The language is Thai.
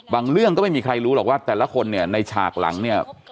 เรื่องก็ไม่มีใครรู้หรอกว่าแต่ละคนเนี่ยในฉากหลังเนี่ย